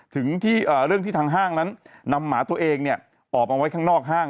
ถึงที่เอ่อเรื่องที่ทางห้างนั้นนำหมาตัวเองเนี่ยออบเอาไว้ข้างนอกห้าง